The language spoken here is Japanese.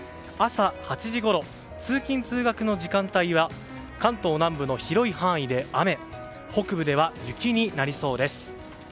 朝８時ごろ通勤・通学の時間帯は関東南部の広い範囲で雨北部では雪になりそうです。